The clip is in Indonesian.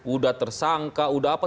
udah tersangka udah apa